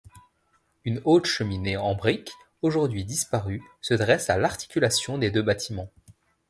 Une haute cheminée en brique, aujourd’hui disparue, se dresse à l’articulation des deux bâtiments.